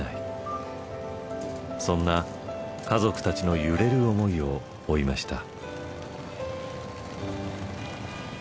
そんな家族たちの揺れる思いを追いました。